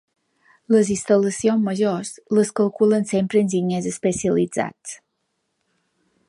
Les instal·lacions majors les calculen sempre enginyers especialitzats.